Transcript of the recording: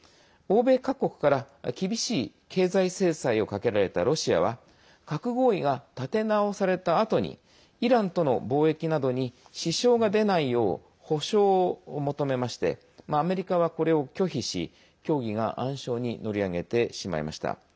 欧米各国から厳しい経済制裁をかけられたロシアは核合意が立て直されたあとにイランとの貿易などに支障が出ないよう保証を求めましてアメリカはこれを拒否し協議が暗礁に乗り上げてしまいました。